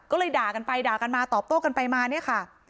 ก็เลยด่ากันไปด่ากันมาตอบโต้กันไปมาเนี่ยค่ะ